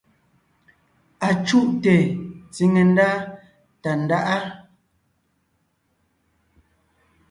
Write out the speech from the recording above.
Acùʼte tsiŋe ndá Tàndáʼa.